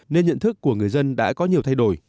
nên nhận thức của người dân đã có nhiều thay đổi